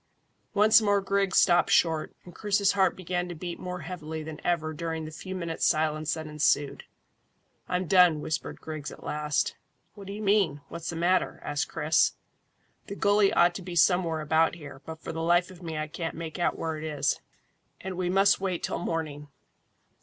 Once more Griggs stopped short, and Chris's heart began to beat more heavily than ever during the few minutes' silence that ensued. "I'm done," whispered Griggs at last. "What do you mean? What's the matter?" asked Chris. "The gully ought to be somewhere about here, but for the life of me I can't make out where it is, and we must wait till morning."